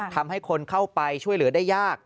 ทำให้คนเข้าไปช่วยเหลือได้ยาก